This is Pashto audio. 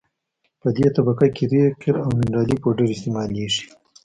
په دې طبقه کې ریګ قیر او منرالي پوډر استعمالیږي